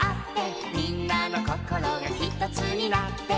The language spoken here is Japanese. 「みんなのこころがひとつになって」